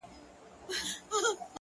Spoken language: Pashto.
o د گناهونو شاهدي به یې ویښتان ورکوي ـ